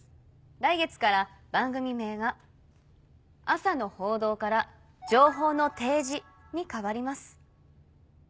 来月から番組名が『朝の報道』から『情報の提示』に変わります。